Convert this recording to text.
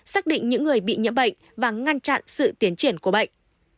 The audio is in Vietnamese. xác định những người bị nhiễm bệnh và ngăn chặn sự tiến triển của bệnh